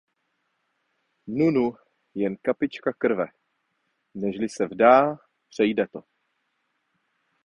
Nunu, jen kapička krve; nežli se vdá, přejde to.